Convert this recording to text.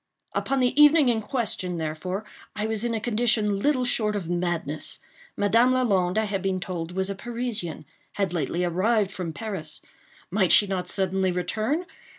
Upon the evening in question, therefore, I was in a condition little short of madness. Madame Lalande, I had been told, was a Parisian—had lately arrived from Paris—might she not suddenly return?